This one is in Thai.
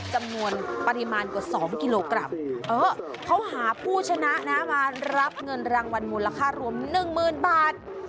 จำนวนปริมาณกว่าสองกิโลกรัมเขาหาผู้ชนะนะมารับเงินรางวัณมูลราคารวมหนึ่งหมื่นบาท